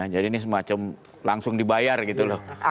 ini semacam langsung dibayar gitu loh